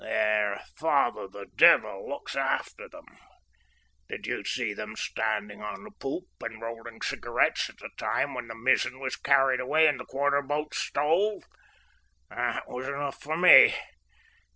"Their father, the devil, looks after them. Did you see them standing on the poop and rolling cigarettes at the time when the mizzen was carried away and the quarter boats stove? That was enough for me.